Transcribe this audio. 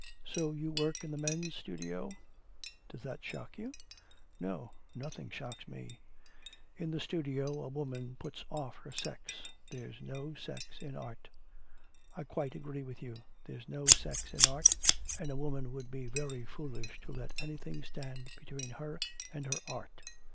'So you work in the men's studio?' 'Does that shock you?' 'No, nothing shocks me.' 'In the studio a woman puts off her sex. There's no sex in art.' 'I quite agree with you. There's no sex in art, and a woman would be very foolish to let anything stand between her and her art.'